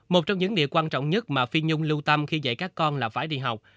một trong những điều quan trọng nhất mà phi nhung lưu tâm khi dạy các con là phải đi học